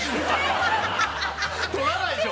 捕らないでしょ。